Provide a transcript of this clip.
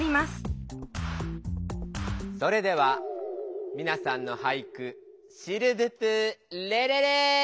それではみなさんの俳句シルヴプレレレ！